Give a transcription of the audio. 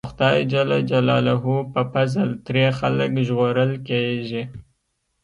د خدای ج په فضل ترې خلک ژغورل کېږي.